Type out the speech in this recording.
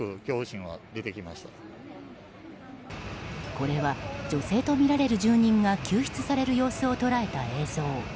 これは女性とみられる住人が救出される様子を捉えた映像。